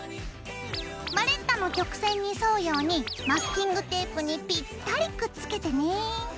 バレッタの曲線に沿うようにマスキングテープにピッタリくっつけてね。